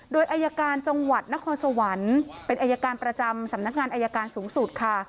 โดยอายการจังหวัดนครสวรรค์เป็นอายการประจำสำนักงานอายการสูงสุดค่ะ